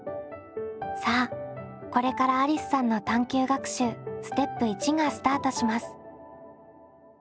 さあこれからありすさんの探究学習ステップ①がスタートします。